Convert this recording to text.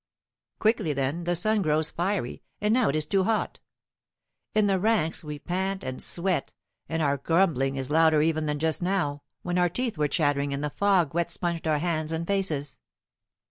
Quickly, then, the sun grows fiery, and now it is too hot. In the ranks we pant and sweat, and our grumbling is louder even than just now, when our teeth were chattering and the fog wet sponged our hands and faces.